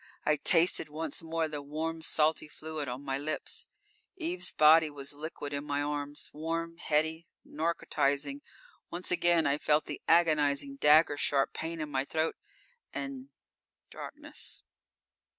I tasted once more the warm, salty fluid on my lips. Eve's body was liquid in my arms; warm, heady, narcotizing. Once again I felt the agonizing, dagger sharp pain in my throat and darkness.